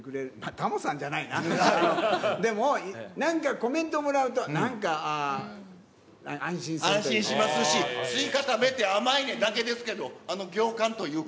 タモさんじゃないな、でも、なんかコメントをもらうと、安心しますし、スイカ食べて、甘いねだけですけど、あの行間というか。